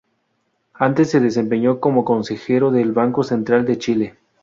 Antes se desempeñó como consejero del Banco Central de Chile.